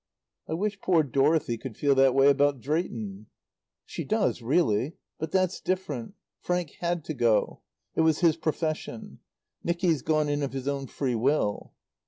"I wish poor Dorothy could feel that way about Drayton." "She does really. But that's different. Frank had to go. It was his profession. Nicky's gone in of his own free will."